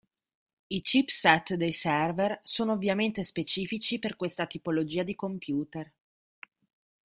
I chipset dei server sono ovviamente specifici per questa tipologia di computer.